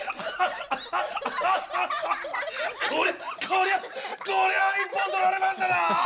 こりゃこりゃこりゃ一本取られましたな！